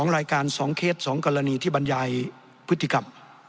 รายการ๒เคส๒กรณีที่บรรยายพฤติกรรม